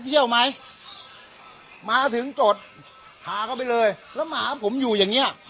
เที่ยวไหมมาถึงจดพาเขาไปเลยแล้วหมาผมอยู่อย่างเงี้ย